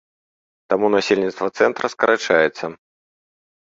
Таму насельніцтва цэнтра скарачаецца.